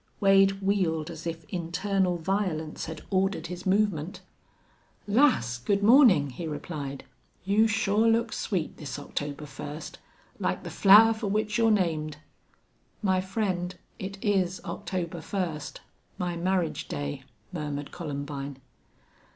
Wade wheeled as if internal violence had ordered his movement. "Lass, good mornin'," he replied. "You sure look sweet this October first like the flower for which you're named." "My friend, it is October first my marriage day!" murmured Columbine.